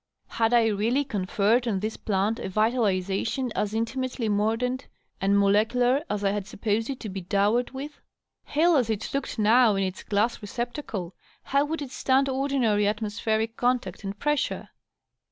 Had I really conferred on this plant a vitalization as intimately mordant and molecular as I had supposed it to be dowered with? Hale as it looked now in its glass receptacle, how would it stand ordinary atmospheric con tact and pressure?